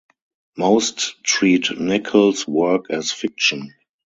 Most treat Nichols' work as fiction.